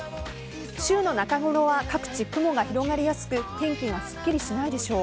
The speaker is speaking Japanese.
週の中頃は各地、雲が広がりやすく天気がすっきりしないでしょう。